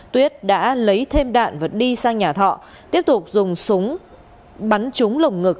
tuyết đã lấy thêm đạn và đi sang nhà thọ tiếp tục dùng súng bắn trúng lồng ngực